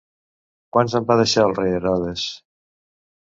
Quants en va deixar el rei Herodes!